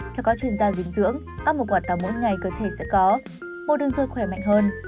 theo các chuyên gia dinh dưỡng ăn một quả táo mỗi ngày cơ thể sẽ có một đường ruột khỏe mạnh hơn